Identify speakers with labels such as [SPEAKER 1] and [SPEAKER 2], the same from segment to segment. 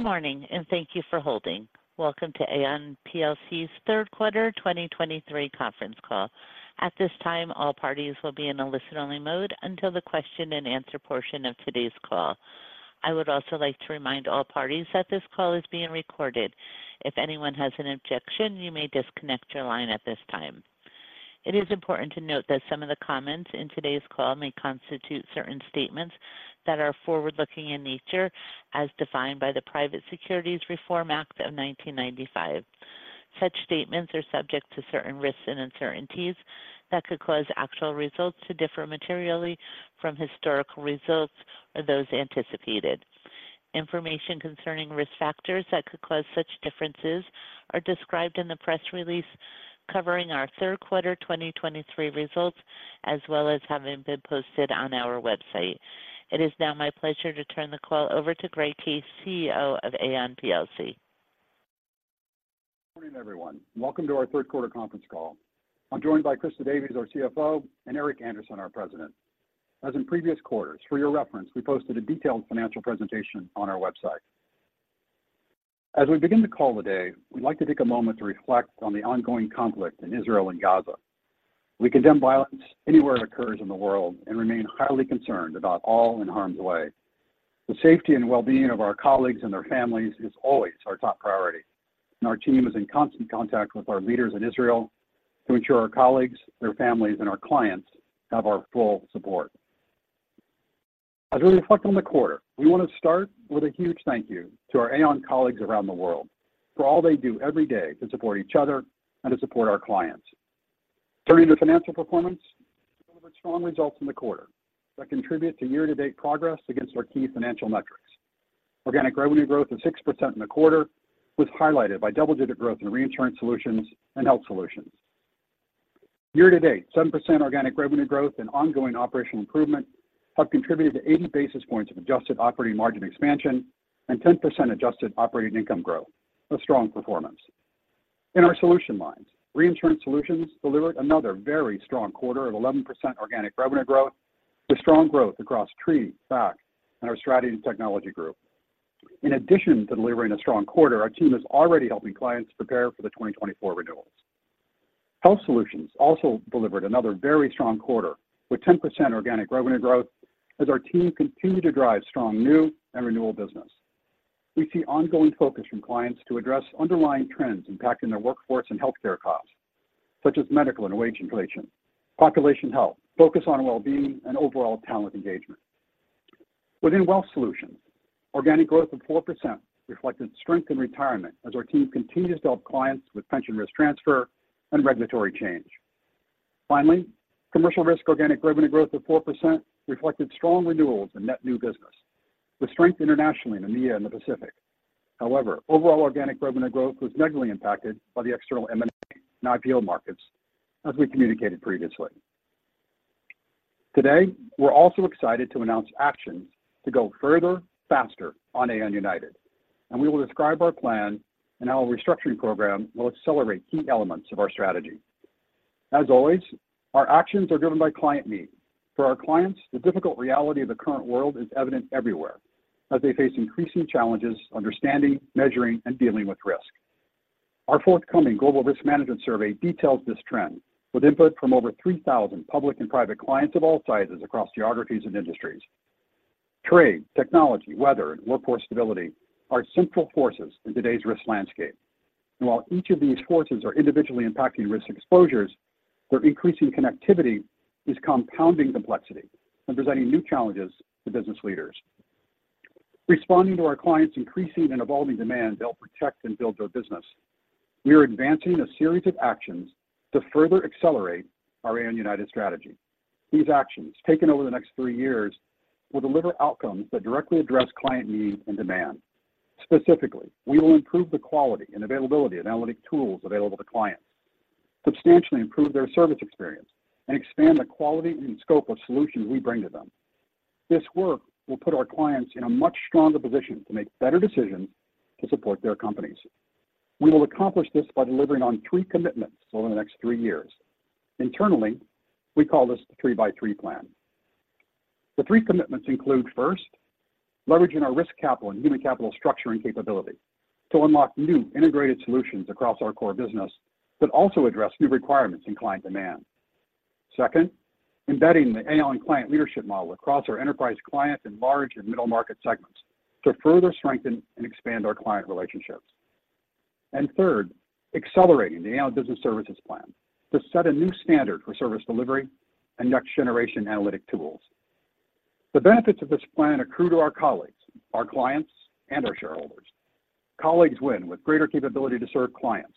[SPEAKER 1] Good morning, and thank you for holding. Welcome to Aon plc's third quarter 2023 conference call. At this time, all parties will be in a listen-only mode until the question and answer portion of today's call. I would also like to remind all parties that this call is being recorded. If anyone has an objection, you may disconnect your line at this time. It is important to note that some of the comments in today's call may constitute certain statements that are forward-looking in nature, as defined by the Private Securities Litigation Reform Act of 1995. Such statements are subject to certain risks and uncertainties that could cause actual results to differ materially from historical results or those anticipated. Information concerning risk factors that could cause such differences are described in the press release covering our third quarter 2023 results, as well as having been posted on our website. It is now my pleasure to turn the call over to Greg Case, CEO of Aon plc.
[SPEAKER 2] Good morning, everyone, and welcome to our third quarter conference call. I'm joined by Christa Davies, our CFO, and Eric Andersen, our President. As in previous quarters, for your reference, we posted a detailed financial presentation on our website. As we begin the call today, we'd like to take a moment to reflect on the ongoing conflict in Israel and Gaza. We condemn violence anywhere it occurs in the world and remain highly concerned about all in harm's way. The safety and well-being of our colleagues and their families is always our top priority, and our team is in constant contact with our leaders in Israel to ensure our colleagues, their families, and our clients have our full support. As we reflect on the quarter, we want to start with a huge thank you to our Aon colleagues around the world for all they do every day to support each other and to support our clients. Turning to financial performance, we delivered strong results in the quarter that contribute to year-to-date progress against our key financial metrics. Organic revenue growth of 6% in the quarter was highlighted by double-digit growth in Reinsurance Solutions and Health Solutions. Year-to-date, 7% organic revenue growth and ongoing operational improvement have contributed to 80 basis points of adjusted operating margin expansion and 10% adjusted operating income growth, a strong performance. In our solution lines, Reinsurance Solutions delivered another very strong quarter of 11% organic revenue growth, with strong growth across treaty, fac, and our Strategy and Technology Group. In addition to delivering a strong quarter, our team is already helping clients prepare for the 2024 renewals. Health Solutions also delivered another very strong quarter, with 10% organic revenue growth as our team continued to drive strong new and renewal business. We see ongoing focus from clients to address underlying trends impacting their workforce and healthcare costs, such as medical and wage inflation, population health, focus on well-being, and overall talent engagement. Within Wealth Solutions, organic growth of 4% reflected strength in retirement as our team continues to help clients with pension risk transfer and regulatory change. Finally, Commercial Risk organic revenue growth of 4% reflected strong renewals and net new business, with strength internationally in EMEA and the Pacific. However, overall organic revenue growth was negatively impacted by the external M&A and IPO markets, as we communicated previously. Today, we're also excited to announce actions to go further, faster on Aon United, and we will describe our plan and how our restructuring program will accelerate key elements of our strategy. As always, our actions are driven by client needs. For our clients, the difficult reality of the current world is evident everywhere as they face increasing challenges understanding, measuring, and dealing with risk. Our forthcoming Global Risk Management Survey details this trend with input from over 3,000 public and private clients of all sizes across geographies and industries. Trade, technology, weather, and workforce stability are central forces in today's risk landscape. And while each of these forces are individually impacting risk exposures, their increasing connectivity is compounding complexity and presenting new challenges to business leaders. Responding to our clients' increasing and evolving demands to help protect and build their business, we are advancing a series of actions to further accelerate our Aon United strategy. These actions, taken over the next three years, will deliver outcomes that directly address client needs and demand. Specifically, we will improve the quality and availability of analytic tools available to clients, substantially improve their service experience, and expand the quality and scope of solutions we bring to them. This work will put our clients in a much stronger position to make better decisions to support their companies. We will accomplish this by delivering on three commitments over the next three years. Internally, we call this the Three-by-Three Plan. The three commitments include, first, leveraging our Risk Capital and Human Capital structuring capability to unlock new integrated solutions across our core business that also address new requirements and client demand. Second, embedding the Aon Client Leadership model across our enterprise clients in large and middle market segments to further strengthen and expand our client relationships. And third, accelerating the Aon Business Services plan to set a new standard for service delivery and next-generation analytic tools. The benefits of this plan accrue to our colleagues, our clients, and our shareholders. Colleagues win with greater capability to serve clients.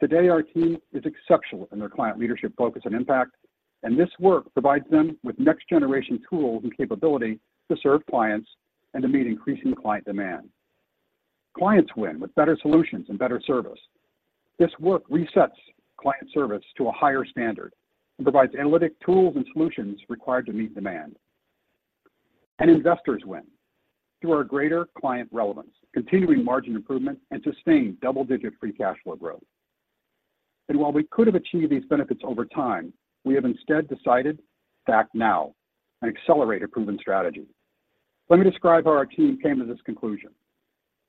[SPEAKER 2] Today, our team is exceptional in their client leadership focus and impact, and this work provides them with next-generation tools and capability to serve clients and to meet increasing client demand. Clients win with better solutions and better service. This work resets client service to a higher standard and provides analytic tools and solutions required to meet demand. And investors win through our greater client relevance, continuing margin improvement, and sustained double-digit free cash flow growth. While we could have achieved these benefits over time, we have instead decided to act now and accelerate a proven strategy. Let me describe how our team came to this conclusion.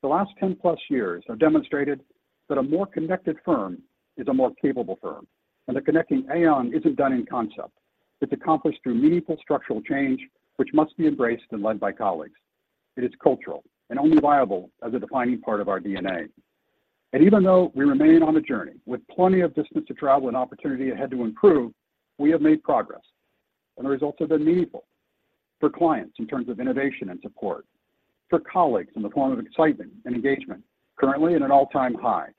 [SPEAKER 2] The last 10+ years have demonstrated that a more connected firm is a more capable firm, and that connecting Aon isn't done in concept. It's accomplished through meaningful structural change, which must be embraced and led by colleagues. It is cultural and only viable as a defining part of our DNA. Even though we remain on a journey with plenty of distance to travel and opportunity ahead to improve, we have made progress, and the results have been meaningful for clients in terms of innovation and support, for colleagues in the form of excitement and engagement, currently at an all-time high,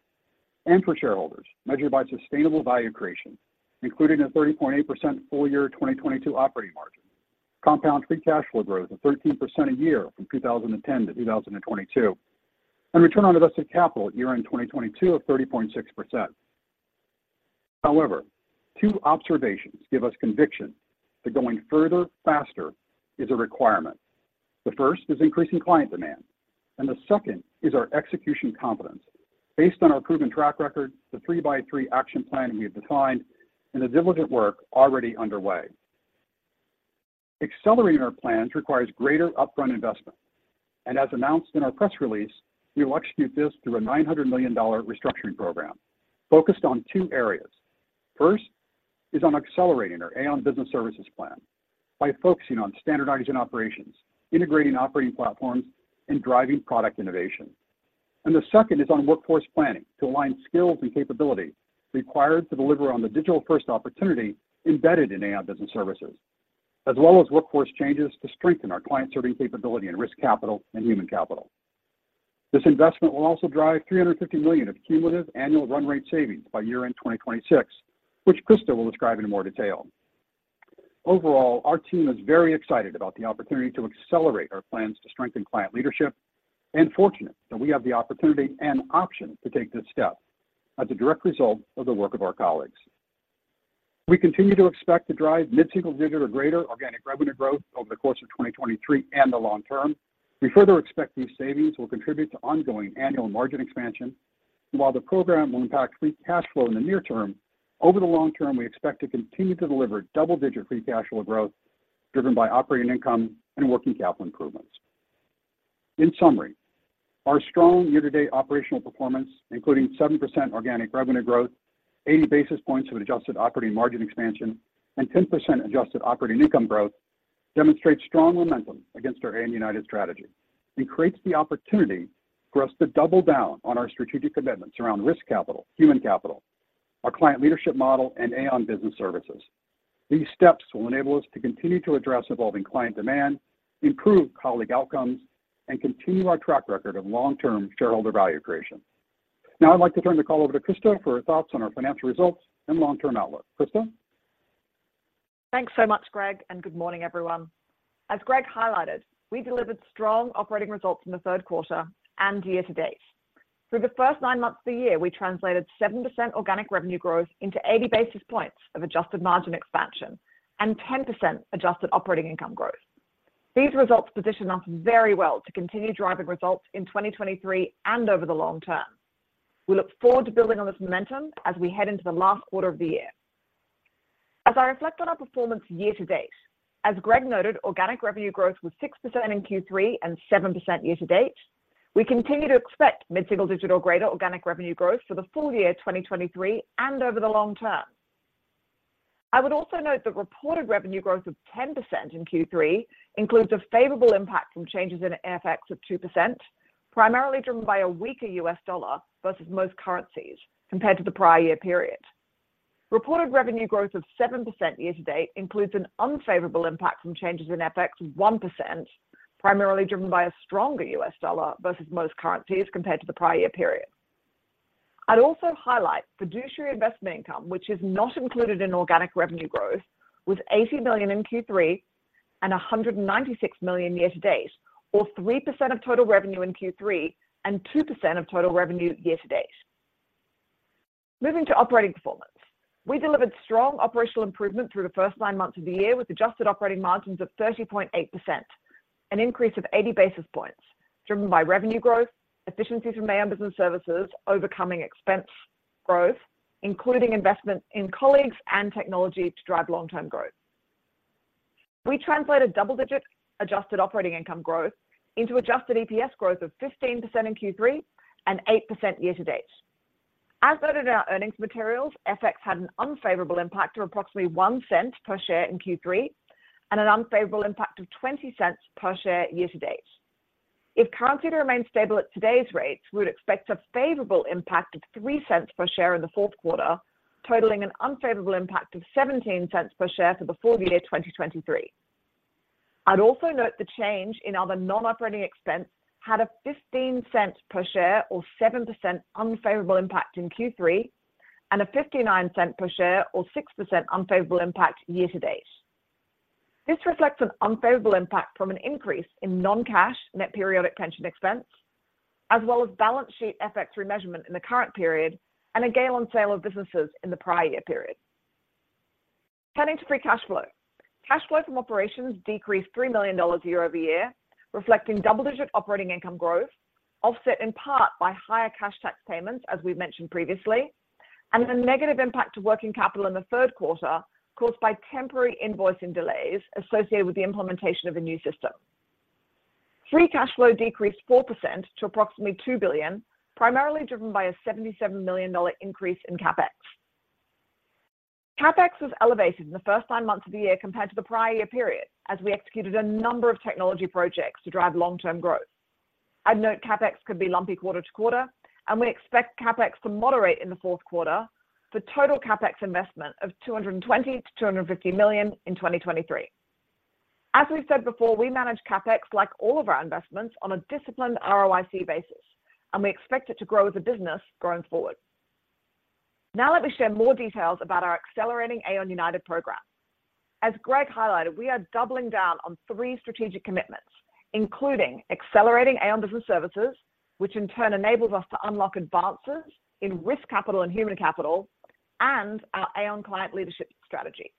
[SPEAKER 2] and for shareholders measured by sustainable value creation, including a 30.8% full year 2022 operating margin, compound free cash flow growth of 13% a year from 2010 to 2022, and return on invested capital at year-end 2022 of 30.6%. However, two observations give us conviction that going further, faster is a requirement. The first is increasing client demand, and the second is our execution confidence. Based on our proven track record, the 3x3 action plan we have defined and the diligent work already underway. Accelerating our plans requires greater upfront investment, and as announced in our press release, we will execute this through a $900 million restructuring program focused on two areas. First, is on accelerating our Aon Business Services plan by focusing on standardizing operations, integrating operating platforms, and driving product innovation. And the second is on workforce planning to align skills and capability required to deliver on the digital-first opportunity embedded in Aon Business Services, as well as workforce changes to strengthen our client-serving capability and risk capital and human capital. This investment will also drive $350 million of cumulative annual run rate savings by year-end 2026, which Christa will describe in more detail. Overall, our team is very excited about the opportunity to accelerate our plans to strengthen client leadership and fortunate that we have the opportunity and option to take this step as a direct result of the work of our colleagues. We continue to expect to drive mid-single-digit or greater organic revenue growth over the course of 2023 and the long term. We further expect these savings will contribute to ongoing annual margin expansion, and while the program will impact free cash flow in the near term, over the long term, we expect to continue to deliver double-digit free cash flow growth driven by operating income and working capital improvements. In summary, our strong year-to-date operational performance, including 7% organic revenue growth, 80 basis points of adjusted operating margin expansion, and 10% adjusted operating income growth, demonstrates strong momentum against our Aon United strategy and creates the opportunity for us to double down on our strategic commitments around Risk Capital, Human Capital, our client leadership model, and Aon Business Services. These steps will enable us to continue to address evolving client demand, improve colleague outcomes, and continue our track record of long-term shareholder value creation. Now, I'd like to turn the call over to Christa for her thoughts on our financial results and long-term outlook. Christa?
[SPEAKER 3] Thanks so much, Greg, and good morning, everyone. As Greg highlighted, we delivered strong operating results in the third quarter and year-to-date. Through the first nine months of the year, we translated 7% organic revenue growth into 80 basis points of adjusted margin expansion and 10% adjusted operating income growth. These results position us very well to continue driving results in 2023 and over the long term. We look forward to building on this momentum as we head into the last quarter of the year. As I reflect on our performance year-to-date, as Greg noted, organic revenue growth was 6% in Q3 and 7% year-to-date. We continue to expect mid-single digit or greater organic revenue growth for the full year 2023 and over the long term. I would also note that reported revenue growth of 10% in Q3 includes a favorable impact from changes in FX of 2%, primarily driven by a weaker US dollar versus most currencies compared to the prior year period. Reported revenue growth of 7% year-to-date includes an unfavorable impact from changes in FX of 1%, primarily driven by a stronger US dollar versus most currencies compared to the prior year period. I'd also highlight fiduciary investment income, which is not included in organic revenue growth, with $80 million in Q3 and $196 million year-to-date, or 3% of total revenue in Q3 and 2% of total revenue year-to-date. Moving to operating performance. We delivered strong operational improvement through the first nine months of the year, with adjusted operating margins of 30.8%, an increase of 80 basis points driven by revenue growth, efficiencies from Aon Business Services, overcoming expense growth, including investment in colleagues and technology to drive long-term growth. We translated double-digit adjusted operating income growth into adjusted EPS growth of 15% in Q3 and 8% year-to-date. As noted in our earnings materials, FX had an unfavorable impact of approximately $0.01 per share in Q3 and an unfavorable impact of $0.20 per share year-to-date. If currency remains stable at today's rates, we would expect a favorable impact of $0.03 per share in the fourth quarter, totaling an unfavorable impact of $0.17 per share for the full year 2023. I'd also note the change in other non-operating expenses had a $0.15 per share or 7% unfavorable impact in Q3 and a $0.59 per share or 6% unfavorable impact year-to-date. This reflects an unfavorable impact from an increase in non-cash net periodic pension expense, as well as balance sheet FX remeasurement in the current period and a gain on sale of businesses in the prior year period. Turning to free cash flow. Cash flow from operations decreased $3 million year-over-year, reflecting double-digit operating income growth, offset in part by higher cash tax payments, as we've mentioned previously, and a negative impact to working capital in the third quarter caused by temporary invoicing delays associated with the implementation of a new system. free cash flow decreased 4% to approximately $2 billion, primarily driven by a $77 million increase in CapEx. CapEx was elevated in the first nine months of the year compared to the prior year period, as we executed a number of technology projects to drive long-term growth. I'd note CapEx could be lumpy quarter to quarter, and we expect CapEx to moderate in the fourth quarter for total CapEx investment of $220 million-$250 million in 2023. As we've said before, we manage CapEx like all of our investments on a disciplined ROIC basis, and we expect it to grow as a business going forward. Now let me share more details about our accelerating Aon United program. As Greg highlighted, we are doubling down on three strategic commitments, including accelerating Aon Business Services, which in turn enables us to unlock advances in Risk Capital and Human Capital and our Aon Client Leadership strategy.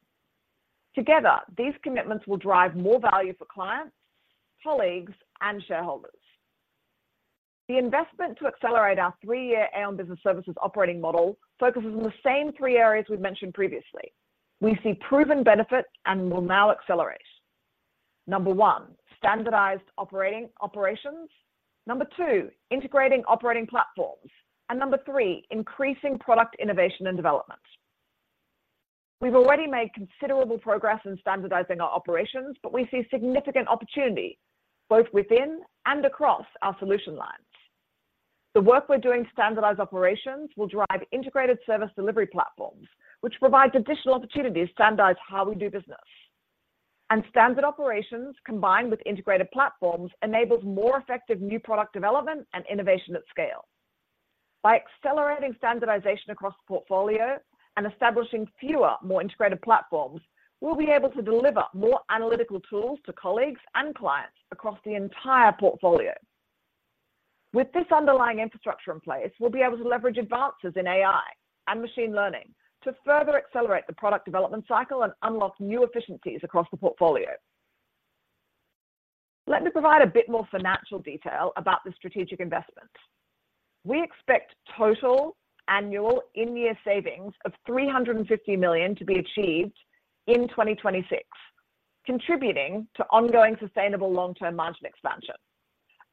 [SPEAKER 3] Together, these commitments will drive more value for clients, colleagues, and shareholders. The investment to accelerate our three-year Aon Business Services operating model focuses on the same three areas we've mentioned previously. We see proven benefits and will now accelerate. Number one, standardized operating operations. Number two, integrating operating platforms. And number three, increasing product innovation and development. We've already made considerable progress in standardizing our operations, but we see significant opportunity both within and across our solution lines. The work we're doing to standardize operations will drive integrated service delivery platforms, which provides additional opportunity to standardize how we do business. And standard operations, combined with integrated platforms, enables more effective new product development and innovation at scale. By accelerating standardization across the portfolio and establishing fewer, more integrated platforms, we'll be able to deliver more analytical tools to colleagues and clients across the entire portfolio. With this underlying infrastructure in place, we'll be able to leverage advances in AI and machine learning to further accelerate the product development cycle and unlock new efficiencies across the portfolio. Let me provide a bit more financial detail about the strategic investment. We expect total annual in-year savings of $350 million to be achieved in 2026, contributing to ongoing, sustainable long-term margin expansion.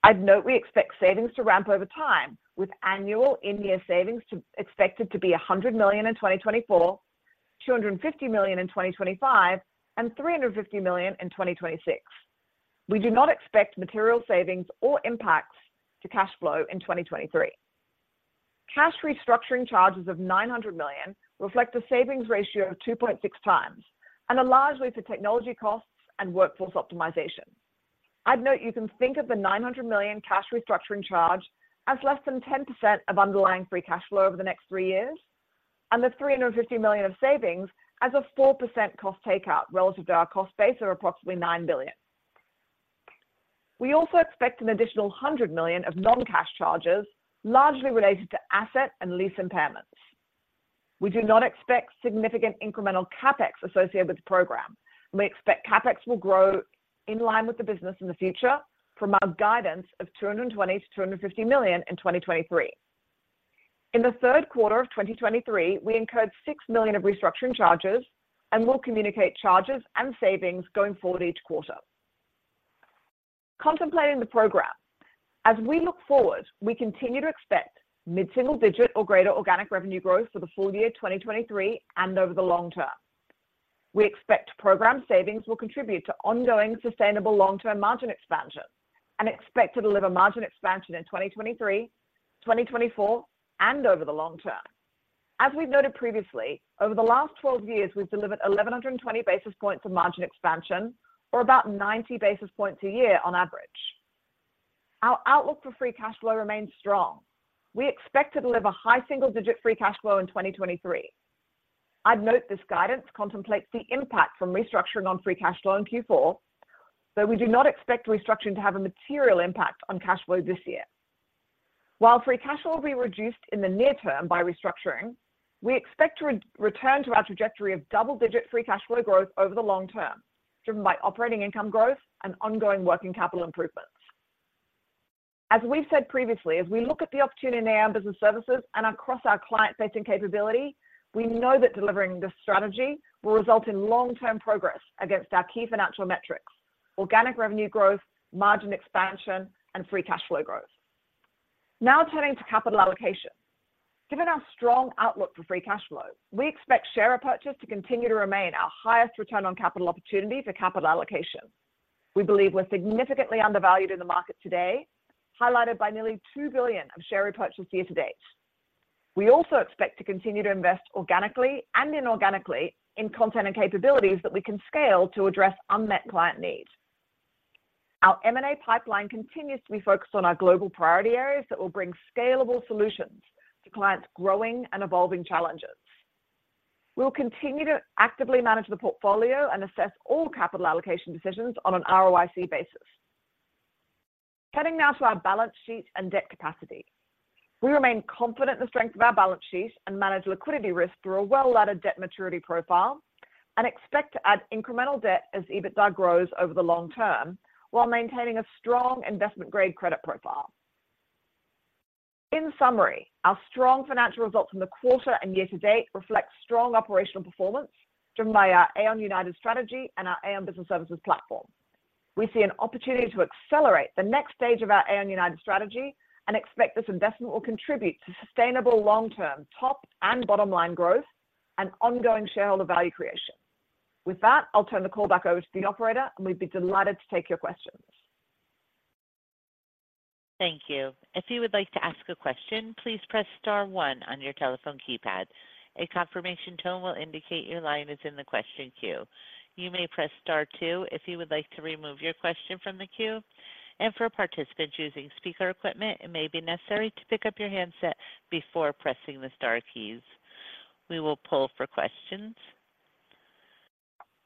[SPEAKER 3] I'd note we expect savings to ramp over time, with annual in-year savings to expected to be $100 million in 2024, $250 million in 2025, and $350 million in 2026. We do not expect material savings or impacts to cash flow in 2023. Cash restructuring charges of $900 million reflect a savings ratio of 2.6x and are largely for technology costs and workforce optimization. I'd note you can think of the $900 million cash restructuring charge as less than 10% of underlying free cash flow over the next 3 years, and the $350 million of savings as a 4% cost takeout relative to our cost base, or approximately $9 billion. We also expect an additional $100 million of non-cash charges, largely related to asset and lease impairments. We do not expect significant incremental CapEx associated with the program. We expect CapEx will grow in line with the business in the future from our guidance of $220 million-$250 million in 2023. In the third quarter of 2023, we incurred $6 million of restructuring charges and will communicate charges and savings going forward each quarter. Contemplating the program, as we look forward, we continue to expect mid-single-digit or greater organic revenue growth for the full year 2023 and over the long term. We expect program savings will contribute to ongoing, sustainable long-term margin expansion and expect to deliver margin expansion in 2023, 2024, and over the long term. As we've noted previously, over the last 12 years, we've delivered 1,120 basis points of margin expansion, or about 90 basis points a year on average. Our outlook for free cash flow remains strong. We expect to deliver high single-digit free cash flow in 2023. I'd note this guidance contemplates the impact from restructuring on free cash flow in Q4, though we do not expect restructuring to have a material impact on cash flow this year. While free cash flow will be reduced in the near term by restructuring, we expect to return to our trajectory of double-digit free cash flow growth over the long term, driven by operating income growth and ongoing working capital improvements. As we've said previously, as we look at the opportunity in Aon Business Services and across our client-facing capability, we know that delivering this strategy will result in long-term progress against our key financial metrics: organic revenue growth, margin expansion, and free cash flow growth. Now turning to capital allocation. Given our strong outlook for free cash flow, we expect share repurchase to continue to remain our highest return on capital opportunity for capital allocation. We believe we're significantly undervalued in the market today, highlighted by nearly $2 billion of share repurchases year-to-date. We also expect to continue to invest organically and inorganically in content and capabilities that we can scale to address unmet client needs. Our M&A pipeline continues to be focused on our global priority areas that will bring scalable solutions to clients' growing and evolving challenges. We'll continue to actively manage the portfolio and assess all capital allocation decisions on an ROIC basis. Heading now to our balance sheet and debt capacity. We remain confident in the strength of our balance sheet and manage liquidity risk through a well-laddered debt maturity profile and expect to add incremental debt as EBITDA grows over the long term, while maintaining a strong investment-grade credit profile. In summary, our strong financial results in the quarter and year-to-date reflect strong operational performance driven by our Aon United strategy and our Aon Business Services platform. We see an opportunity to accelerate the next stage of our Aon United strategy and expect this investment will contribute to sustainable long-term top and bottom line growth and ongoing shareholder value creation. With that, I'll turn the call back over to the operator, and we'd be delighted to take your questions.
[SPEAKER 1] Thank you. If you would like to ask a question, please press star one on your telephone keypad. A confirmation tone will indicate your line is in the question queue. You may press star two if you would like to remove your question from the queue. And for participants using speaker equipment, it may be necessary to pick up your handset before pressing the star keys. We will poll for questions.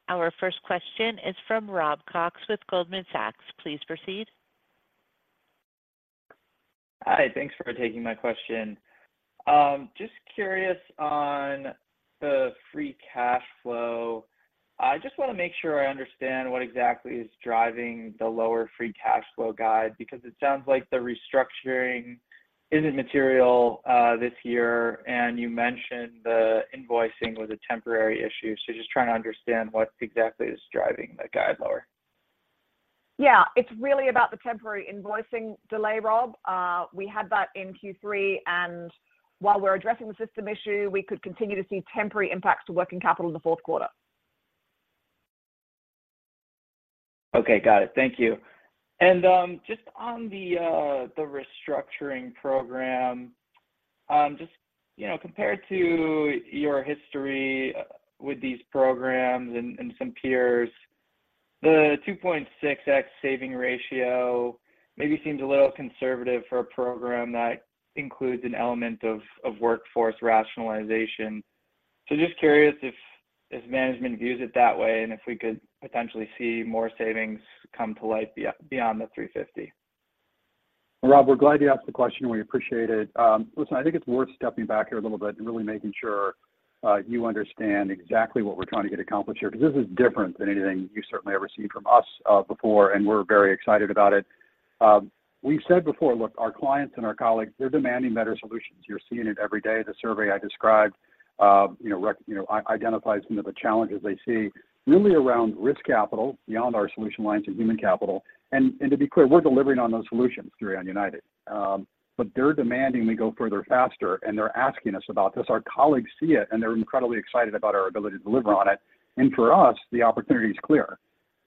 [SPEAKER 1] Our first question is from Rob Cox with Goldman Sachs. Please proceed.
[SPEAKER 4] Hi, thanks for taking my question. Just curious on the free cash flow. I just want to make sure I understand what exactly is driving the lower free cash flow guide, because it sounds like the restructuring isn't material this year, and you mentioned the invoicing was a temporary issue. So just trying to understand what exactly is driving the guide lower.
[SPEAKER 3] Yeah, it's really about the temporary invoicing delay, Rob. We had that in Q3, and while we're addressing the system issue, we could continue to see temporary impacts to working capital in the fourth quarter.
[SPEAKER 4] Okay, got it. Thank you. And just on the restructuring program, just you know compared to your history with these programs and some peers, the 2.6x saving ratio maybe seems a little conservative for a program that includes an element of workforce rationalization. So just curious if management views it that way, and if we could potentially see more savings come to light beyond the $350 million.
[SPEAKER 2] Rob, we're glad you asked the question, and we appreciate it. Listen, I think it's worth stepping back here a little bit and really making sure you understand exactly what we're trying to get accomplished here, because this is different than anything you've certainly ever seen from us before, and we're very excited about it. We've said before, look, our clients and our colleagues, they're demanding better solutions. You're seeing it every day. The survey I described, you know, identifies some of the challenges they see, really around risk capital, beyond our solution lines and human capital. To be clear, we're delivering on those solutions through Aon United. They're demanding we go further, faster, and they're asking us about this. Our colleagues see it, and they're incredibly excited about our ability to deliver on it. For us, the opportunity is clear.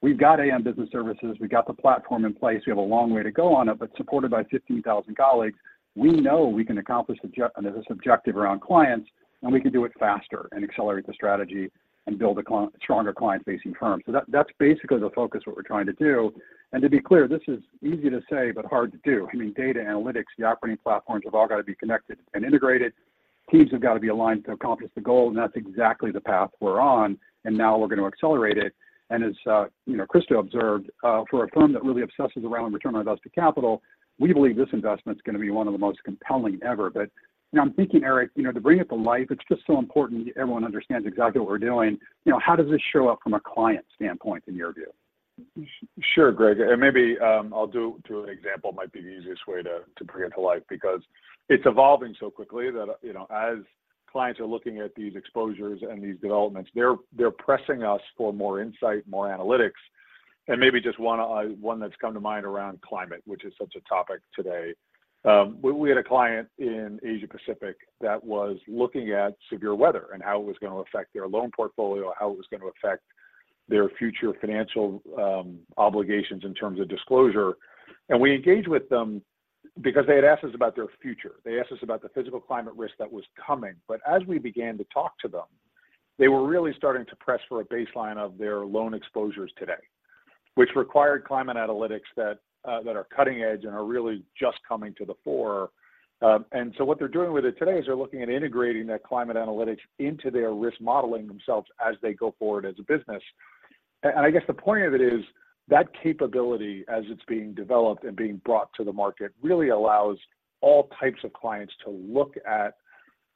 [SPEAKER 2] We've got Aon Business Services, we've got the platform in place. We have a long way to go on it, but supported by 15,000 colleagues, we know we can accomplish this objective around clients, and we can do it faster and accelerate the strategy and build a stronger client-facing firm. So that, that's basically the focus of what we're trying to do. To be clear, this is easy to say, but hard to do. I mean, data analytics, the operating platforms have all got to be connected and integrated. Teams have got to be aligned to accomplish the goal, and that's exactly the path we're on, and now we're going to accelerate it. And as you know, Christa observed, for a firm that really obsesses around return on invested capital, we believe this investment is going to be one of the most compelling ever. But you know, I'm thinking, Eric, you know, to bring it to life, it's just so important that everyone understands exactly what we're doing. You know, how does this show up from a client standpoint, in your view?
[SPEAKER 5] Sure, Greg, maybe I'll do through an example. Might be the easiest way to bring it to life, because it's evolving so quickly that, you know, as clients are looking at these exposures and these developments, they're pressing us for more insight, more analytics, and maybe just one, one that's come to mind around climate, which is such a topic today. We had a client in Asia Pacific that was looking at severe weather and how it was going to affect their loan portfolio, how it was going to affect their future financial obligations in terms of disclosure. We engaged with them because they had asked us about their future. They asked us about the physical climate risk that was coming. But as we began to talk to them, they were really starting to press for a baseline of their loan exposures today, which required climate analytics that are cutting edge and are really just coming to the fore. And so what they're doing with it today is they're looking at integrating that climate analytics into their risk modeling themselves as they go forward as a business. And I guess the point of it is, that capability, as it's being developed and being brought to the market, really allows all types of clients to look at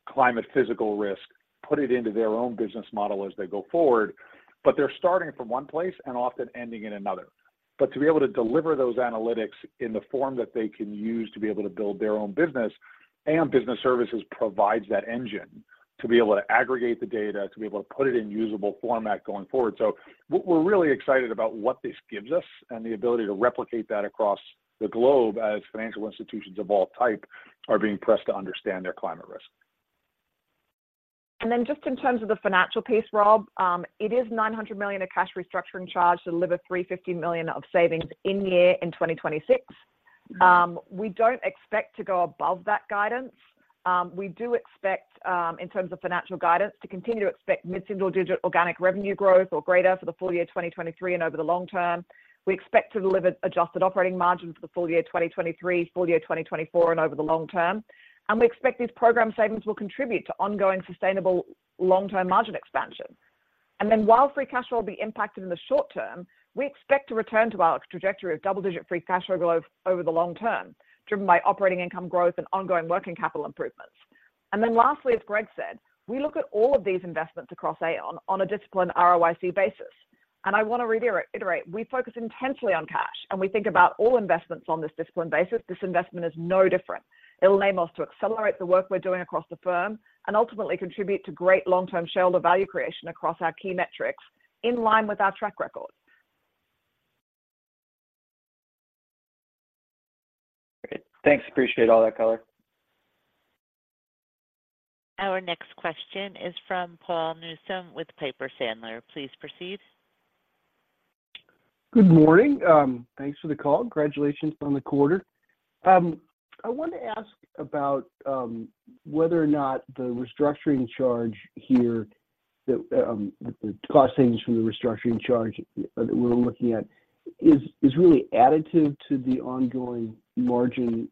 [SPEAKER 5] climate physical risk, put it into their own business model as they go forward, but they're starting from one place and often ending in another. But to be able to deliver those analytics in the form that they can use to be able to build their own business, Aon Business Services provides that engine to be able to aggregate the data, to be able to put it in usable format going forward. So we're really excited about what this gives us and the ability to replicate that across the globe as financial institutions of all type are being pressed to understand their climate risk.
[SPEAKER 3] And then just in terms of the financial piece, Rob, it is $900 million of cash restructuring charge to deliver $350 million of savings in 2026. We don't expect to go above that guidance. We do expect, in terms of financial guidance, to continue to expect mid-single digit organic revenue growth or greater for the full year 2023 and over the long term. We expect to deliver adjusted operating margin for the full year 2023, full year 2024, and over the long term. And we expect these program savings will contribute to ongoing, sustainable, long-term margin expansion... and then while free cash flow will be impacted in the short term, we expect to return to our trajectory of double-digit free cash flow over the long term, driven by operating income growth and ongoing working capital improvements. And then lastly, as Greg said, we look at all of these investments across Aon on a disciplined ROIC basis. And I want to reiterate, we focus intensely on cash, and we think about all investments on this disciplined basis. This investment is no different. It'll enable us to accelerate the work we're doing across the firm and ultimately contribute to great long-term shareholder value creation across our key metrics, in line with our track record.
[SPEAKER 4] Great. Thanks. Appreciate all that color.
[SPEAKER 1] Our next question is from Paul Newsome with Piper Sandler. Please proceed.
[SPEAKER 6] Good morning. Thanks for the call. Congratulations on the quarter. I wanted to ask about whether or not the restructuring charge here, the cost savings from the restructuring charge that we're looking at is really additive to the ongoing margin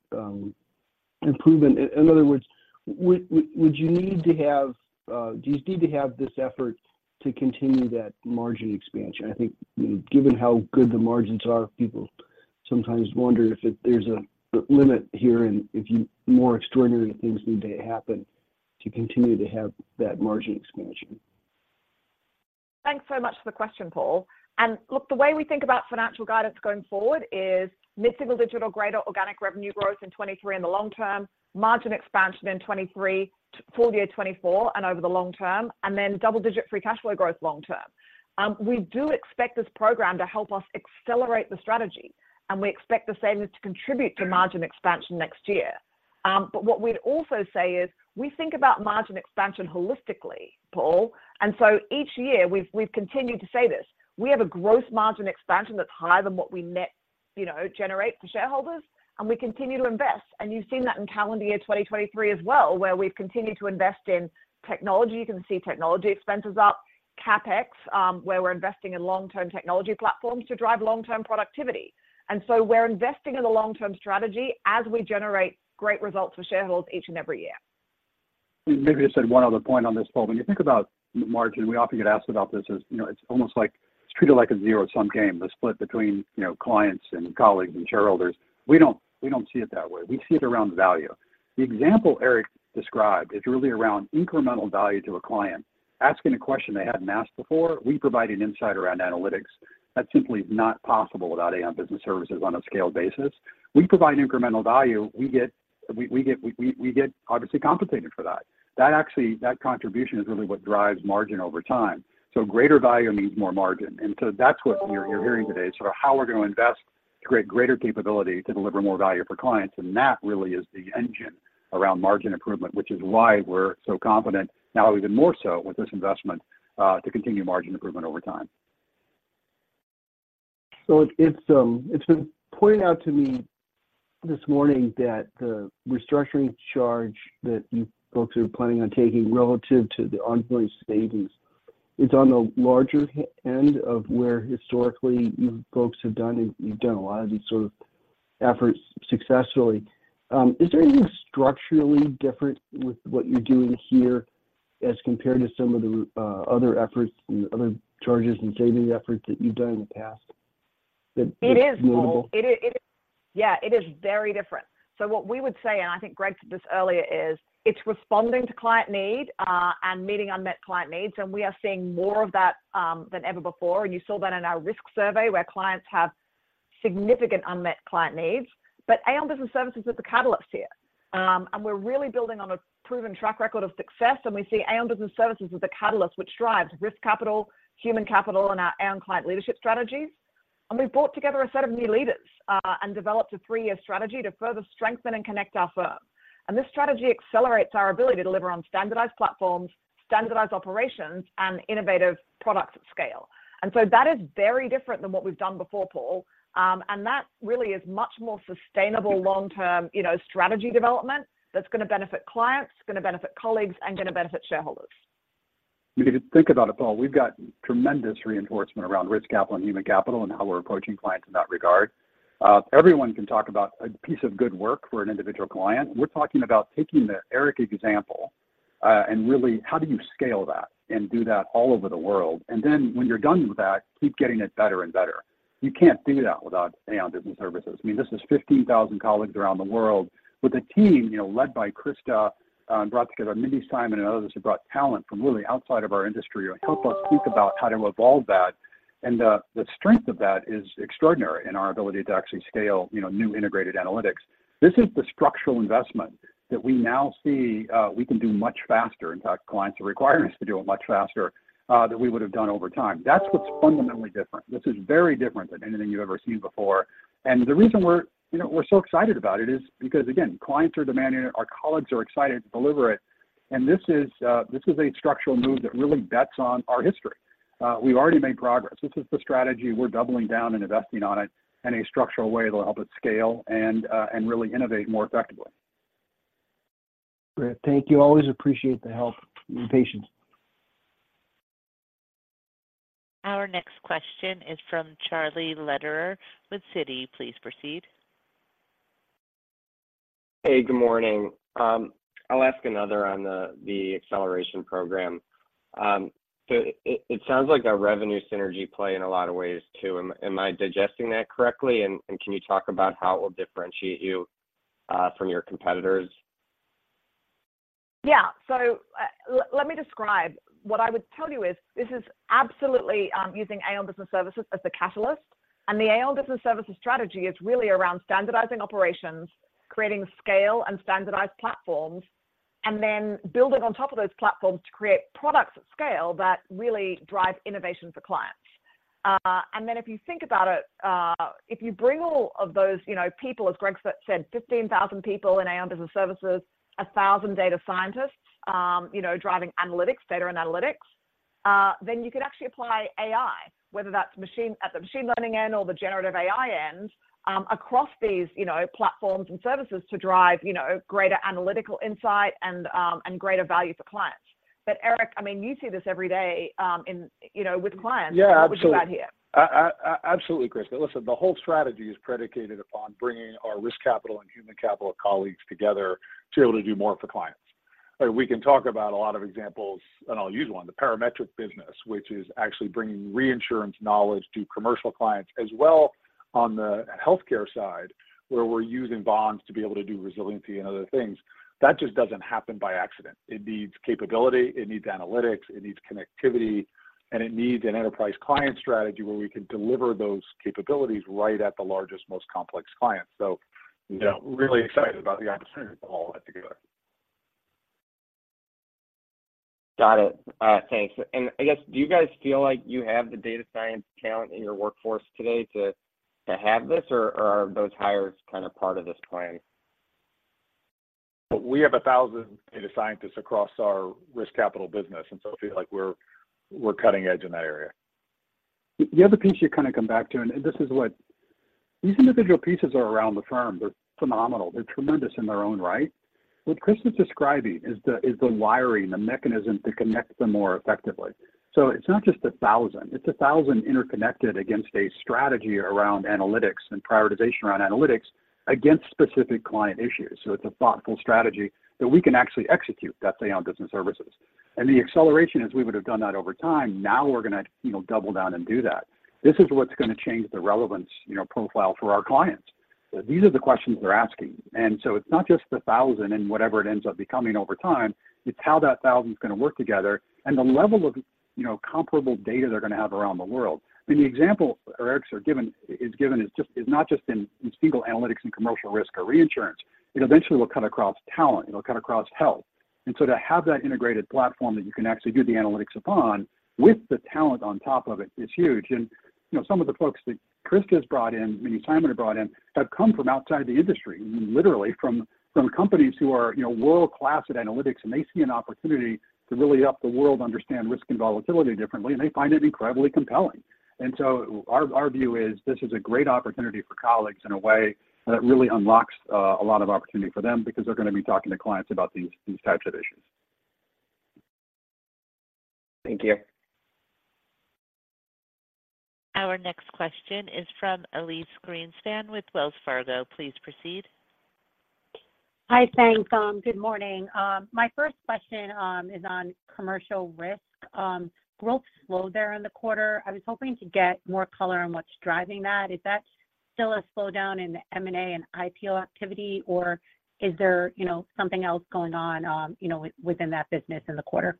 [SPEAKER 6] improvement. In other words, do you need to have this effort to continue that margin expansion? I think, given how good the margins are, people sometimes wonder if there's a limit here and if more extraordinary things need to happen to continue to have that margin expansion.
[SPEAKER 3] Thanks so much for the question, Paul. And look, the way we think about financial guidance going forward is mid-single digit greater organic revenue growth in 2023 in the long term, margin expansion in 2023, the full year 2024 and over the long term, and then double-digit free cash flow growth long term. We do expect this program to help us accelerate the strategy, and we expect the savings to contribute to margin expansion next year. But what we'd also say is, we think about margin expansion holistically, Paul. And so each year, we've continued to say this, we have a gross margin expansion that's higher than what we net, you know, generate for shareholders, and we continue to invest. And you've seen that in calendar year 2023 as well, where we've continued to invest in technology. You can see technology expenses up, CapEx, where we're investing in long-term technology platforms to drive long-term productivity. So we're investing in the long-term strategy as we generate great results for shareholders each and every year.
[SPEAKER 2] Maybe just add one other point on this, Paul. When you think about margin, we often get asked about this as, you know, it's almost like it's treated like a zero-sum game, the split between, you know, clients and colleagues and shareholders. We don't see it that way. We see it around value. The example Eric described is really around incremental value to a client, asking a question they hadn't asked before. We provided insight around analytics. That simply is not possible without Aon Business Services on a scaled basis. We provide incremental value, we get obviously compensated for that. That actually, that contribution is really what drives margin over time. Greater value means more margin, and so that's what you're, you're hearing today, is sort of how we're going to invest to create greater capability to deliver more value for clients. That really is the engine around margin improvement, which is why we're so confident, now even more so with this investment, to continue margin improvement over time.
[SPEAKER 6] So it's, it's been pointed out to me this morning that the restructuring charge that you folks are planning on taking relative to the ongoing savings is on the larger end of where historically you folks have done, and you've done a lot of these sort of efforts successfully. Is there anything structurally different with what you're doing here as compared to some of the other efforts and other charges and saving efforts that you've done in the past that-
[SPEAKER 3] It is, Paul. It is. Yeah, it is very different. So what we would say, and I think Greg said this earlier, is it's responding to client need, and meeting unmet client needs, and we are seeing more of that than ever before. And you saw that in our risk survey, where clients have significant unmet client needs. But Aon Business Services is the catalyst here. And we're really building on a proven track record of success, and we see Aon Business Services as the catalyst, which drives Risk Capital, Human Capital, and our Aon Client Leadership strategies. And we've brought together a set of new leaders, and developed a three-year strategy to further strengthen and connect our firm. And this strategy accelerates our ability to deliver on standardized platforms, standardized operations, and innovative products at scale. And so that is very different than what we've done before, Paul, and that really is much more sustainable long-term, you know, strategy development that's gonna benefit clients, gonna benefit colleagues, and gonna benefit shareholders.
[SPEAKER 2] If you just think about it, Paul, we've got tremendous reinforcement around risk capital and human capital and how we're approaching clients in that regard. Everyone can talk about a piece of good work for an individual client. We're talking about taking the Eric example, and really, how do you scale that and do that all over the world? When you're done with that, keep getting it better and better. You can't do that without Aon Business Services. I mean, this is 15,000 colleagues around the world with a team, you know, led by Christa, and brought together Mindy Simon and others, who brought talent from really outside of our industry and helped us think about how to evolve that. The strength of that is extraordinary in our ability to actually scale, you know, new integrated analytics. This is the structural investment that we now see we can do much faster. In fact, clients are requiring us to do it much faster than we would have done over time. That's what's fundamentally different. This is very different than anything you've ever seen before. And the reason we're, you know, we're so excited about it is because, again, clients are demanding it, our colleagues are excited to deliver it, and this is this is a structural move that really bets on our history. We've already made progress. This is the strategy. We're doubling down and investing on it in a structural way that will help it scale and really innovate more effectively.
[SPEAKER 6] Great. Thank you. Always appreciate the help and patience.
[SPEAKER 1] Our next question is from Charlie Lederer with Citi. Please proceed.
[SPEAKER 7] Hey, good morning. I'll ask another on the acceleration program. So it sounds like a revenue synergy play in a lot of ways, too. Am I digesting that correctly? And can you talk about how it will differentiate you from your competitors?
[SPEAKER 3] Yeah. So, let me describe. What I would tell you is, this is absolutely using Aon Business Services as the catalyst, and the Aon Business Services strategy is really around standardizing operations, creating scale and standardized platforms, and then building on top of those platforms to create products at scale that really drive innovation for clients. And then if you think about it, if you bring all of those, you know, people, as Greg said, 15,000 people in Aon Business Services, 1,000 data scientists, you know, driving analytics, data and analytics, then you could actually apply AI, whether that's machine learning at the machine learning end or the generative AI end, across these, you know, platforms and services to drive, you know, greater analytical insight and greater value for clients. But Eric, I mean, you see this every day, in, you know, with clients-
[SPEAKER 5] Yeah, absolutely.
[SPEAKER 3] What you got here?
[SPEAKER 5] Absolutely, Chris. But listen, the whole strategy is predicated upon bringing our Risk Capital and Human Capital colleagues together to be able to do more for clients. We can talk about a lot of examples, and I'll use one, the parametric business, which is actually bringing reinsurance knowledge to commercial clients, as well on the healthcare side, where we're using bonds to be able to do resiliency and other things. That just doesn't happen by accident. It needs capability, it needs analytics, it needs connectivity, and it needs an enterprise client strategy where we can deliver those capabilities right at the largest, most complex clients. So, you know, really excited about the opportunity to pull all that together.
[SPEAKER 7] Got it. Thanks. And I guess, do you guys feel like you have the data science talent in your workforce today to have this, or are those hires kind of part of this plan?
[SPEAKER 5] We have 1,000 data scientists across our Risk Capital business, and so I feel like we're cutting edge in that area.
[SPEAKER 2] The other piece you kind of come back to, and this is what—these individual pieces are around the firm, they're phenomenal. They're tremendous in their own right. What Chris is describing is the wiring, the mechanism to connect them more effectively. So it's not just a thousand, it's a thousand interconnected against a strategy around analytics and prioritization around analytics against specific client issues. So it's a thoughtful strategy that we can actually execute at Aon Business Services. And the acceleration is, we would have done that over time. Now we're going to, you know, double down and do that. This is what's going to change the relevance, you know, profile for our clients. These are the questions they're asking. It's not just the 1,000 and whatever it ends up becoming over time, it's how that 1,000 is going to work together and the level of, you know, comparable data they're going to have around the world. I mean, the example Eric's given is just not just in single analytics and commercial risk or reinsurance. It eventually will cut across talent, it'll cut across health. And so to have that integrated platform that you can actually do the analytics upon, with the talent on top of it, is huge. You know, some of the folks that Christa has brought in, I mean Simon have brought in, have come from outside the industry, literally from companies who are, you know, world-class at analytics, and they see an opportunity to really help the world understand risk and volatility differently, and they find it incredibly compelling. So our view is this is a great opportunity for colleagues in a way that really unlocks a lot of opportunity for them because they're going to be talking to clients about these types of issues.
[SPEAKER 7] Thank you.
[SPEAKER 1] Our next question is from Elyse Greenspan with Wells Fargo. Please proceed.
[SPEAKER 8] Hi, thanks. Good morning. My first question is on Commercial Risk. Growth slowed there in the quarter. I was hoping to get more color on what's driving that. Is that still a slowdown in the M&A and IPO activity, or is there, you know, something else going on, you know, within that business in the quarter?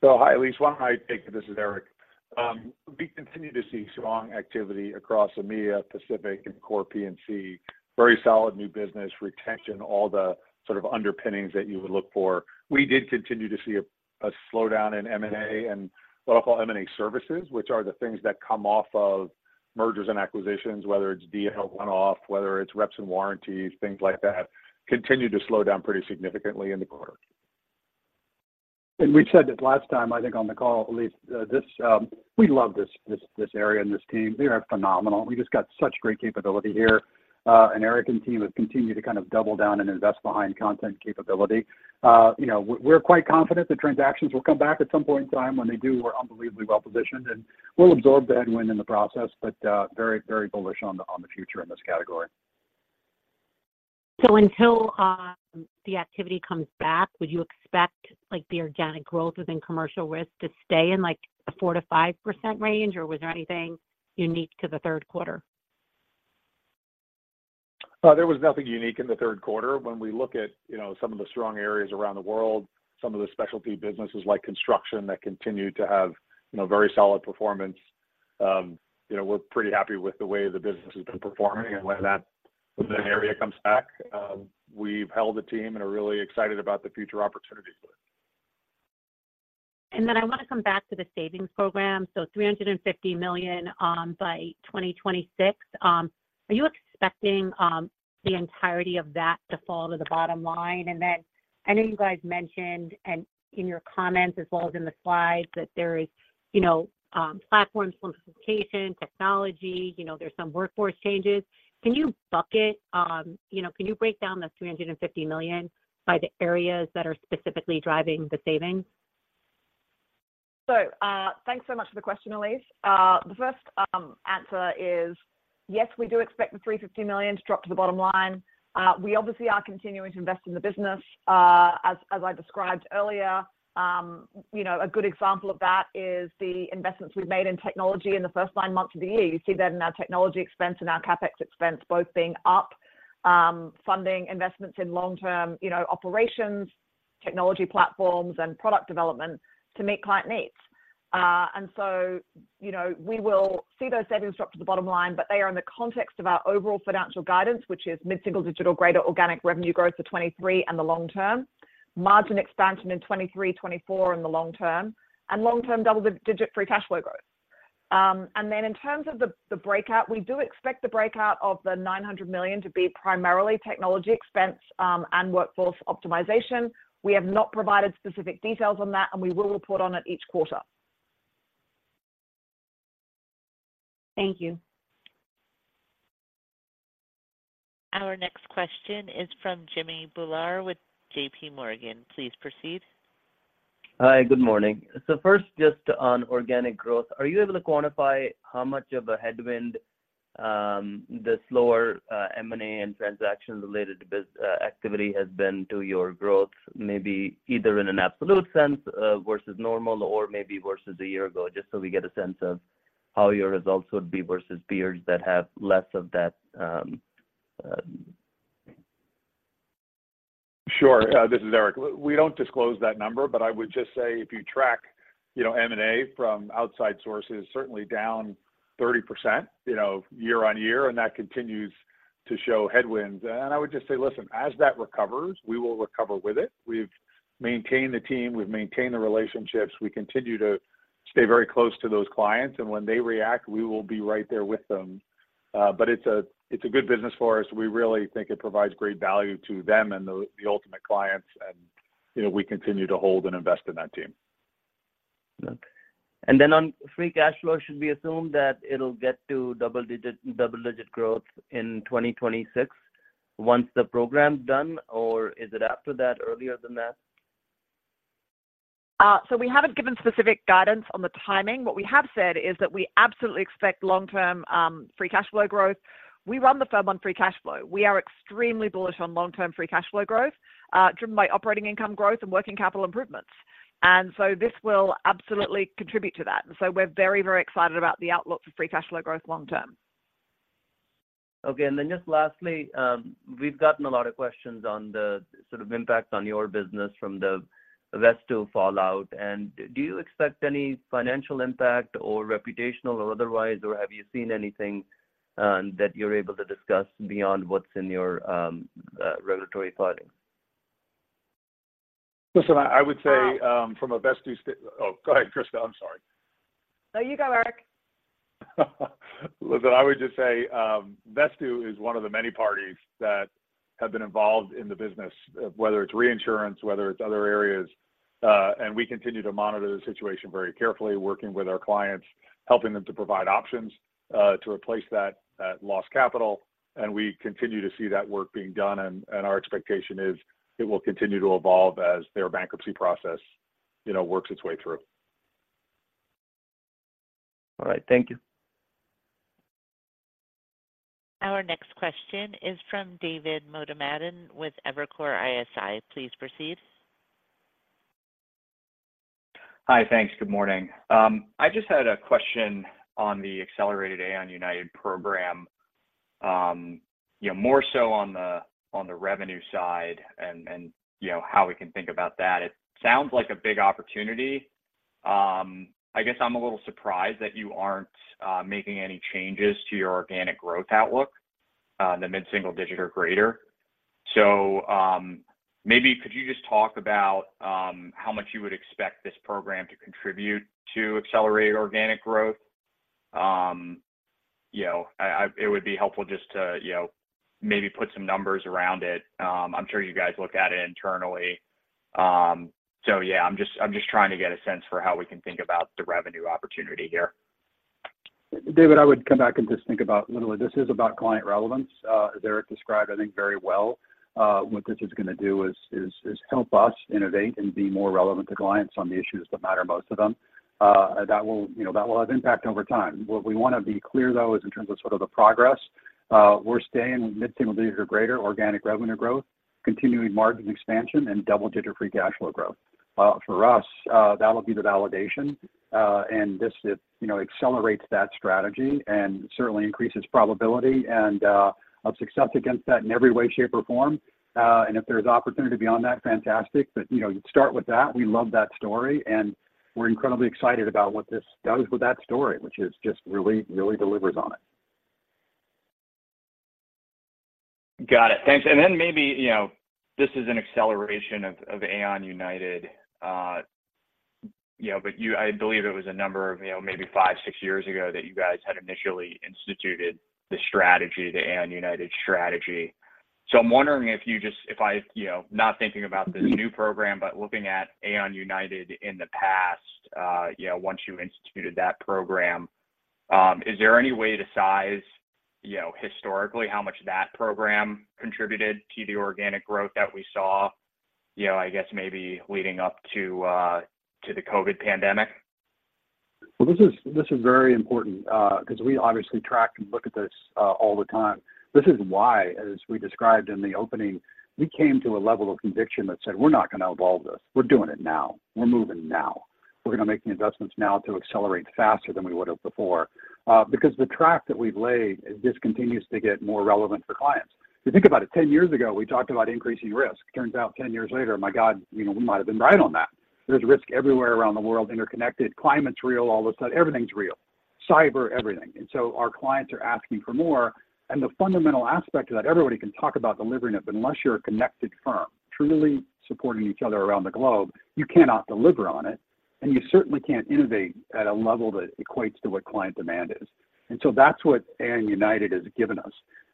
[SPEAKER 5] So hi, Elyse. Why don't I take it? This is Eric. We continue to see strong activity across EMEA, Pacific, and core P&C. Very solid new business, retention, all the sort of underpinnings that you would look for. We did continue to see a slowdown in M&A and what I call M&A services, which are the things that come off of mergers and acquisitions, whether it's D&O run-off, whether it's reps and warranties, things like that, continue to slow down pretty significantly in the quarter.
[SPEAKER 2] We said it last time, I think on the call, Elise. We love this area and this team. They are phenomenal. We just got such great capability here, and Eric and team have continued to kind of double down and invest behind content capability. You know, we're quite confident the transactions will come back at some point in time. When they do, we're unbelievably well positioned, and we'll absorb the headwind in the process, but very, very bullish on the future in this category.
[SPEAKER 8] Until the activity comes back, would you expect, like, the organic growth within Commercial Risk to stay in, like, a 4%-5% range, or was there anything unique to the third quarter?
[SPEAKER 5] There was nothing unique in the third quarter. When we look at, you know, some of the strong areas around the world, some of the specialty businesses like construction that continue to have, you know, very solid performance, you know, we're pretty happy with the way the business has been performing. And when that, that area comes back, we've held the team and are really excited about the future opportunities with it.
[SPEAKER 8] And then I want to come back to the savings program. So $350 million by 2026. Are you expecting the entirety of that to fall to the bottom line? And then I know you guys mentioned, and in your comments as well as in the slides, that there is, you know, platform simplification, technology, you know, there's some workforce changes. Can you bucket, you know, can you break down the $350 million by the areas that are specifically driving the savings?
[SPEAKER 3] So, thanks so much for the question, Elyse. The first answer is yes, we do expect the $350 million to drop to the bottom line. We obviously are continuing to invest in the business, as I described earlier. You know, a good example of that is the investments we've made in technology in the first nine months of the year. You see that in our technology expense and our CapEx expense both being up, funding investments in long-term, you know, operations, technology platforms, and product development to meet client needs. And so, you know, we will see those savings drop to the bottom line, but they are in the context of our overall financial guidance, which is mid-single-digit greater organic revenue growth to 2023 and the long term. Margin expansion in 2023, 2024 in the long term, and long-term double-digit free cash flow growth. And then in terms of the breakout, we do expect the breakout of the $900 million to be primarily technology expense, and workforce optimization. We have not provided specific details on that, and we will report on it each quarter.
[SPEAKER 2] Thank you.
[SPEAKER 1] Our next question is from Jimmy Bhullar with JPMorgan. Please proceed.
[SPEAKER 9] Hi, good morning. So first, just on organic growth, are you able to quantify how much of a headwind the slower M&A and transaction-related business activity has been to your growth? Maybe either in an absolute sense versus normal or maybe versus a year ago, just so we get a sense of how your results would be versus peers that have less of that.
[SPEAKER 5] Sure. This is Eric. We don't disclose that number, but I would just say if you track, you know, M&A from outside sources, certainly down 30%, you know, year-on-year, and that continues to show headwinds. And I would just say, listen, as that recovers, we will recover with it. We've maintained the team, we've maintained the relationships. We continue to stay very close to those clients, and when they react, we will be right there with them. But it's a good business for us. We really think it provides great value to them and the ultimate clients, and, you know, we continue to hold and invest in that team.
[SPEAKER 9] Okay. And then on free cash flow, should we assume that it'll get to double-digit, double-digit growth in 2026 once the program's done, or is it after that, earlier than that?
[SPEAKER 3] We haven't given specific guidance on the timing. What we have said is that we absolutely expect long-term free cash flow growth. We run the firm on free cash flow. We are extremely bullish on long-term free cash flow growth, driven by operating income growth and working capital improvements. And so this will absolutely contribute to that. And so we're very, very excited about the outlook for free cash flow growth long term.
[SPEAKER 9] Okay. And then just lastly, we've gotten a lot of questions on the sort of impact on your business from the Vesttoo fallout, and do you expect any financial impact or reputational or otherwise, or have you seen anything that you're able to discuss beyond what's in your regulatory filing?
[SPEAKER 5] Listen, I, I would say from a Vesttoo. Oh, go ahead, Christa. I'm sorry.
[SPEAKER 3] No, you go, Eric.
[SPEAKER 5] Listen, I would just say, Vesttoo is one of the many parties that have been involved in the business, whether it's reinsurance, whether it's other areas, and we continue to monitor the situation very carefully, working with our clients, helping them to provide options, to replace that, that lost capital. We continue to see that work being done, and our expectation is it will continue to evolve as their bankruptcy process, you know, works its way through.
[SPEAKER 9] All right. Thank you.
[SPEAKER 1] Our next question is from David Motemaden with Evercore ISI. Please proceed.
[SPEAKER 10] Hi, thanks. Good morning. I just had a question on the accelerated Aon United program, you know, more so on the revenue side and, you know, how we can think about that. It sounds like a big opportunity. I guess I'm a little surprised that you aren't making any changes to your organic growth outlook, the mid-single digit or greater. So, maybe could you just talk about how much you would expect this program to contribute to accelerated organic growth? You know, it would be helpful just to, you know, maybe put some numbers around it. I'm sure you guys look at it internally. So yeah, I'm just trying to get a sense for how we can think about the revenue opportunity here.
[SPEAKER 2] David, I would come back and just think about literally, this is about client relevance. As Eric described, I think very well, what this is gonna do is help us innovate and be more relevant to clients on the issues that matter most to them. That will, you know, that will have impact over time. What we want to be clear, though, is in terms of sort of the progress. We're staying mid-single-digit or greater organic revenue growth, continuing margin expansion, and double-digit free cash flow growth. For us, that'll be the validation, and this, it, you know, accelerates that strategy and certainly increases probability and of success against that in every way, shape, or form. And if there's opportunity beyond that, fantastic. But, you know, start with that. We love that story, and we're incredibly excited about what this does with that story, which is just really, really delivers on it.
[SPEAKER 10] Got it. Thanks. And then maybe, you know, this is an acceleration of Aon United, you know, but I believe it was a number of, you know, maybe five, six years ago that you guys had initially instituted the strategy, the Aon United strategy. So I'm wondering, you know, not thinking about this new program, but looking at Aon United in the past, you know, once you instituted that program. Is there any way to size, you know, historically, how much that program contributed to the organic growth that we saw, you know, I guess maybe leading up to the COVID pandemic?
[SPEAKER 2] Well, this is, this is very important, 'cause we obviously track and look at this all the time. This is why, as we described in the opening, we came to a level of conviction that said, "We're not gonna evolve this. We're doing it now. We're moving now. We're gonna make the investments now to accelerate faster than we would've before." Because the track that we've laid, it just continues to get more relevant for clients. If you think about it, 10 years ago, we talked about increasing risk. Turns out 10 years later, my God, you know, we might have been right on that. There's risk everywhere around the world, interconnected. Climate's real all of a sudden. Everything's real, cyber, everything. And so our clients are asking for more, and the fundamental aspect of that, everybody can talk about delivering it, but unless you're a connected firm truly supporting each other around the globe, you cannot deliver on it, and you certainly can't innovate at a level that equates to what client demand is. And so that's what Aon United has given us.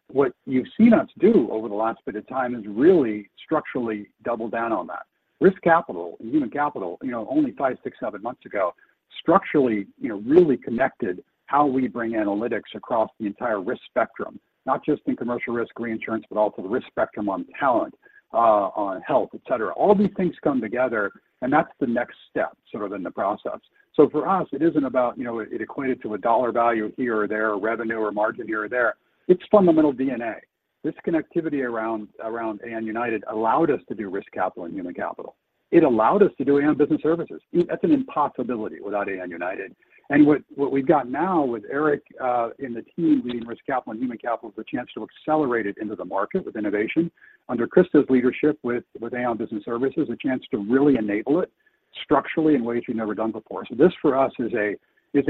[SPEAKER 2] What you've seen us do over the last bit of time is really structurally double down on that. Risk Capital and Human Capital, you know, only five, six, seven months ago, structurally, you know, really connected how we bring analytics across the entire risk spectrum, not just in Commercial Risk, Reinsurance, but also the risk spectrum on talent, on health, et cetera. All these things come together, and that's the next step, sort of in the process. So for us, it isn't about, you know, it equated to a dollar value here or there, or revenue or margin here or there. It's fundamental DNA. This connectivity around, around Aon United allowed us to do Risk Capital and Human Capital. It allowed us to do Aon Business Services. That's an impossibility without Aon United. And what, what we've got now with Eric and the team leading Risk Capital and Human Capital is a chance to accelerate it into the market with innovation. Under Christa's leadership with, with Aon Business Services, a chance to really enable it structurally in ways we've never done before. So this, for us, is a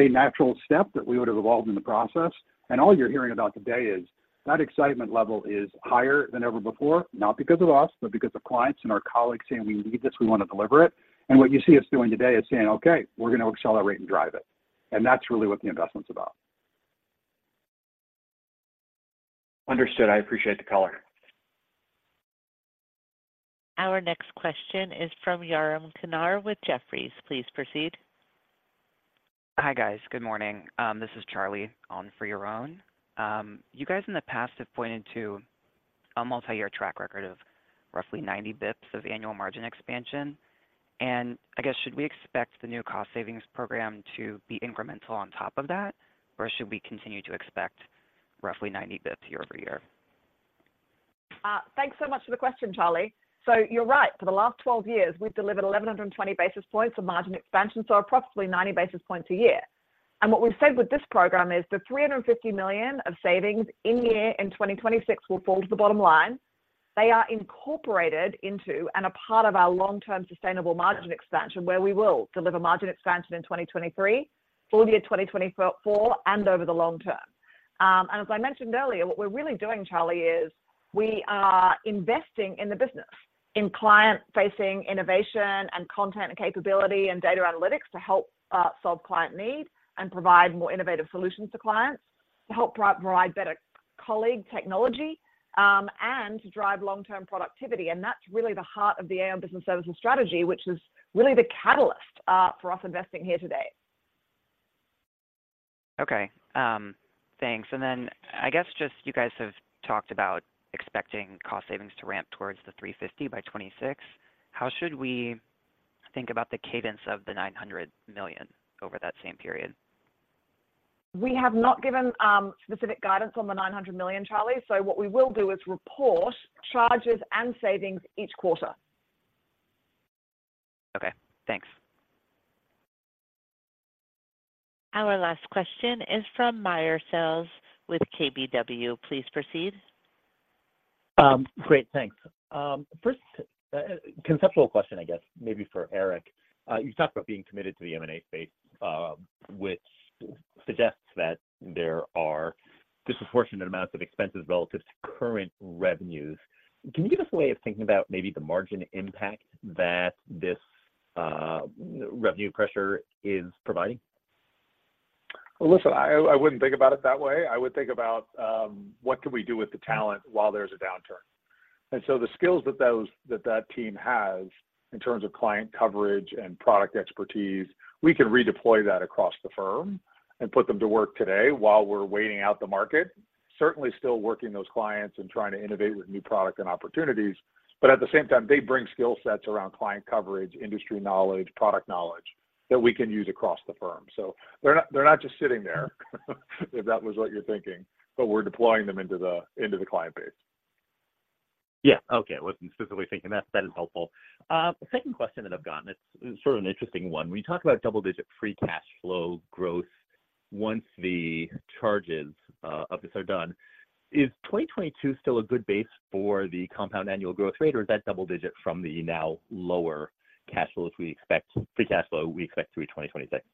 [SPEAKER 2] natural step that we would've evolved in the process, and all you're hearing about today is that excitement level is higher than ever before, not because of us, but because of clients and our colleagues saying, "We need this. We want to deliver it." And what you see us doing today is saying, "Okay, we're gonna accelerate and drive it," and that's really what the investment's about.
[SPEAKER 10] Understood. I appreciate the color.
[SPEAKER 1] Our next question is from Yoram Kinar with Jefferies. Please proceed.
[SPEAKER 11] Hi, guys. Good morning. This is Charlie on for Yoram. You guys, in the past, have pointed to a multi-year track record of roughly 90 basis points of annual margin expansion, and I guess, should we expect the new cost savings program to be incremental on top of that, or should we continue to expect roughly 90 basis points year-over-year?
[SPEAKER 3] Thanks so much for the question, Charlie. So you're right. For the last 12 years, we've delivered 1,120 basis points of margin expansion, so approximately 90 basis points a year. And what we've said with this program is, the $350 million of savings in 2026 will fall to the bottom line. They are incorporated into and a part of our long-term sustainable margin expansion, where we will deliver margin expansion in 2023, full year 2024, and over the long term. And as I mentioned earlier, what we're really doing, Charlie, is we are investing in the business, in client-facing innovation and content and capability and data analytics to help solve client need and provide more innovative solutions to clients, to help provide better colleague technology, and to drive long-term productivity, and that's really the heart of the Aon Business Services strategy, which is really the catalyst for us investing here today.
[SPEAKER 11] Okay. Thanks. And then I guess just you guys have talked about expecting cost savings to ramp towards $350 million by 2026. How should we think about the cadence of the $900 million over that same period?
[SPEAKER 3] We have not given specific guidance on the $900 million, Charlie. So what we will do is report charges and savings each quarter.
[SPEAKER 11] Okay, thanks.
[SPEAKER 1] Our last question is from Meyer Shields with KBW. Please proceed.
[SPEAKER 12] Great, thanks. First, conceptual question, I guess, maybe for Eric. You talked about being committed to the M&A space, which suggests that there are disproportionate amounts of expenses relative to current revenues. Can you give us a way of thinking about maybe the margin impact that this revenue pressure is providing?
[SPEAKER 5] Well, listen, I wouldn't think about it that way. I would think about what can we do with the talent while there's a downturn? And so the skills that that team has in terms of client coverage and product expertise, we can redeploy that across the firm and put them to work today while we're waiting out the market. Certainly still working those clients and trying to innovate with new product and opportunities, but at the same time, they bring skill sets around client coverage, industry knowledge, product knowledge that we can use across the firm. So they're not just sitting there, if that was what you're thinking, but we're deploying them into the client base.
[SPEAKER 12] Yeah. Okay. I wasn't specifically thinking that. That is helpful. The second question that I've gotten, it's sort of an interesting one. When you talk about double-digit free cash flow growth once the charges of this are done, is 2022 still a good base for the compound annual growth rate, or is that double digit from the now lower cash flow if we expect free cash flow we expect through 2026?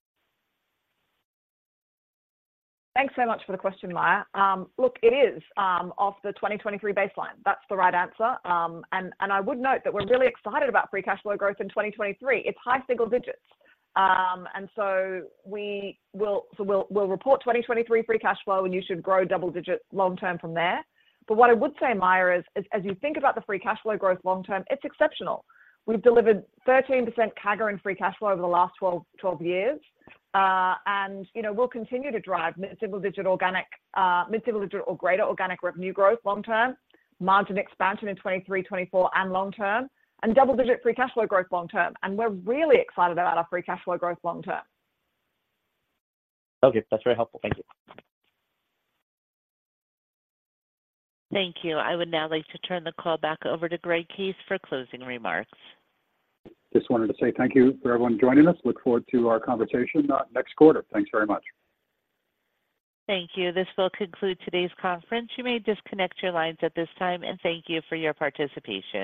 [SPEAKER 3] Thanks so much for the question, Meyer. Look, it is off the 2023 baseline. That's the right answer. And I would note that we're really excited about free cash flow growth in 2023. It's high single digits. And so we will- so we'll report 2023 free cash flow, and you should grow double digits long term from there. But what I would say, Meyer, is as you think about the free cash flow growth long term, it's exceptional. We've delivered 13% CAGR in free cash flow over the last 12, 12 years. And, you know, we'll continue to drive mid-single digit organic, mid-single digit or greater organic revenue growth long term, margin expansion in 2023, 2024, and long term, and double-digit free cash flow growth long term. We're really excited about our free cash flow growth long term.
[SPEAKER 12] Okay, that's very helpful. Thank you.
[SPEAKER 1] Thank you. I would now like to turn the call back over to Greg Case for closing remarks.
[SPEAKER 2] Just wanted to say thank you for everyone joining us. Look forward to our conversation next quarter. Thanks very much.
[SPEAKER 1] Thank you. This will conclude today's conference. You may disconnect your lines at this time, and thank you for your participation.